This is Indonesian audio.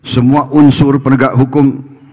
semua unsur penegak hukum